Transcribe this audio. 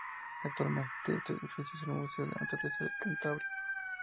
Actualmente este edificio es el Museo de la Naturaleza de Cantabria.